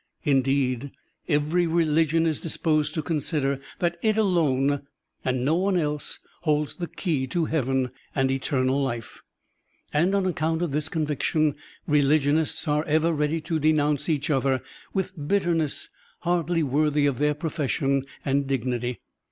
Indeed, every religion is disposed to consider that it alone and no one else holds the key to Heaven and eternal life; and on accotmt of this conviction religionists are ever ready to denotmce each other with bitterness hardly worthy of their profession and dignity.